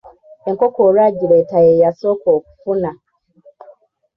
Enkoko olwagireeta ye yasooka okufuna!